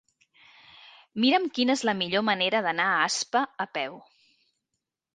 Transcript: Mira'm quina és la millor manera d'anar a Aspa a peu.